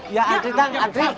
ya seth antri